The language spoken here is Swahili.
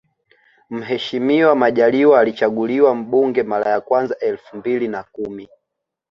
Mheshimiwa Majaliwa alichaguliwa mbunge mara ya kwanza elfu mbili na kumi